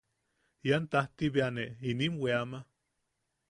Ian tajti bea ne inim weama.